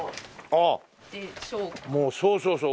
あっそうそうそう。